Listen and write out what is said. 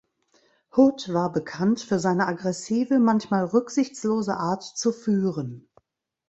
Hood war bekannt für seine aggressive, manchmal rücksichtslose Art zu führen.